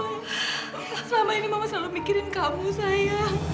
selama ini mama selalu mikirin kamu saya